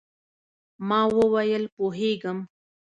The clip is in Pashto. ما وویل، پوهېږم.